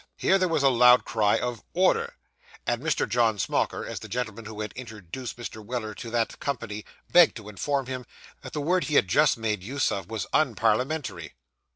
Here there was a loud cry of 'Order,' and Mr. John Smauker, as the gentleman who had introduced Mr. Weller into that company, begged to inform him that the word he had just made use of, was unparliamentary.